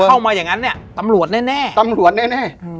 ถ้าเข้ามาอย่างงั้นเนี้ยตำรวจแน่แน่ตำรวจแน่แน่อืม